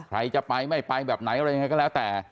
ใครจะไปไม่ไปแบบไหนอะไรยังไงก็แล้วแต่